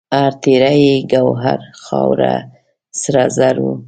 هر تیږه یې ګوهر، خاوره سره زر وه